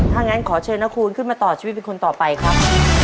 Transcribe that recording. ถ้างั้นขอเชิญน้าคูณขึ้นมาต่อชีวิตเป็นคนต่อไปครับ